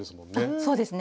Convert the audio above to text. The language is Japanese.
そうですね